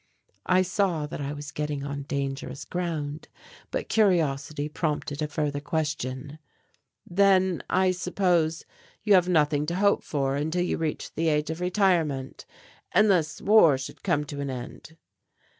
I saw that I was getting on dangerous ground but curiosity prompted a further question: "Then, I suppose, you have nothing to hope for until you reach the age of retirement, unless war should come to an end?"